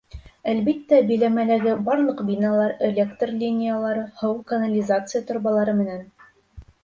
Әлбиттә, биләмәләге барлыҡ биналар, электр линиялары, һыу, канализация торбалары менән.